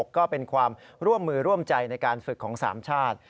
ก็เป็นความร่วมมือร่วมใจในการฝึกของ๓ชาติ